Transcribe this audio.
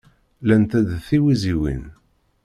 Llant-d d tiwiziwin.